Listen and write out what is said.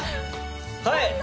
はい！